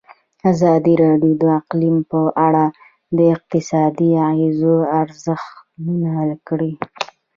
ازادي راډیو د اقلیم په اړه د اقتصادي اغېزو ارزونه کړې.